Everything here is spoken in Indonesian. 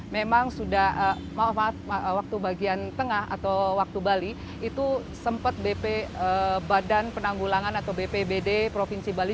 memang sudah maaf waktu bagian tengah atau waktu bali itu sempat bp badan penanggulangan atau bpbd provinsi bali